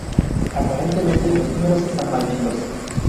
Aparentemente los números están malditos.